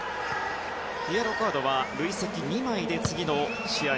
イエローカードは累積２枚で次の試合